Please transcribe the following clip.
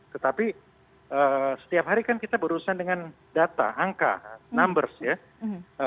tetapi setiap hari kan kita berurusan dengan data angka numbers ya